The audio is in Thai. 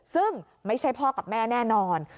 ซึ่งไม่ใช่พ่อกับแม่แน่นอน